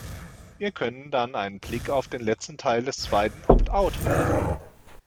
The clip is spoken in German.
Wir können dann einen Blick auf den letzten Teil des zweiten "Opt-out" werfen.